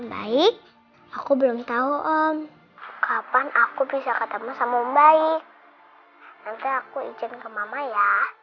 baik aku belum tahu om kapan aku bisa ketemu sama baik nanti aku izin ke mama ya